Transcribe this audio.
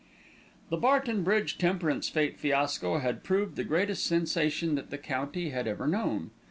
The Barton Bridge Temperance Fête fiasco had proved the greatest sensation that the county had ever known.